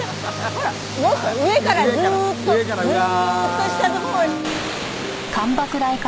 ほらもっと上からずーっとずーっと下のほうに。